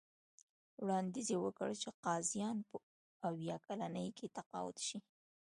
وړاندیز یې وکړ چې قاضیان په اویا کلنۍ کې تقاعد شي.